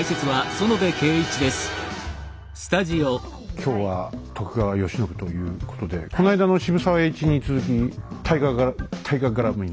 今日は徳川慶喜ということでこないだの渋沢栄一に続き大河がら大河絡みの。